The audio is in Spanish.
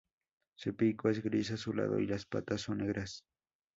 Su pico es gris-azulado y las patas son negras.